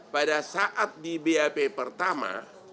pada saat di bap pertama